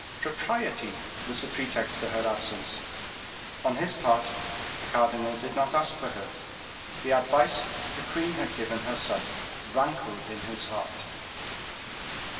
Propriety was the pretext for her absence. On his part, the cardinal did not ask for her: the advice the queen had giver her son rankled in his heart.